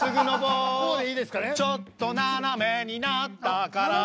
「ちょっと斜めになったから」